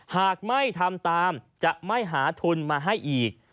หากไม่ทำตามจะไม่หาทุนมาให้อีก